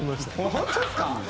本当ですか？